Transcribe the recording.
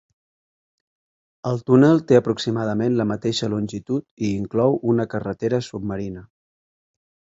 El túnel té aproximadament la mateixa longitud i inclou una carretera submarina.